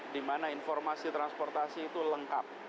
di mana informasi transportasi itu lengkap